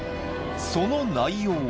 その内容は。